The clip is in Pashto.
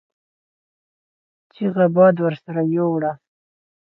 چيغه باد ورسره يو وړه.